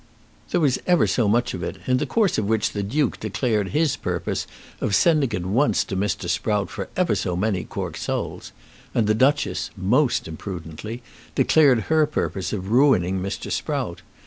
There was ever so much of it, in the course of which the Duke declared his purpose of sending at once to Mr. Sprout for ever so many cork soles, and the Duchess, most imprudently, declared her purpose of ruining Mr. Sprout.